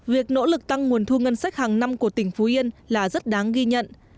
việc nỗ lực tăng nguồn thu ngân sách hàng năm của tỉnh phú yên là rất đáng ghi nhận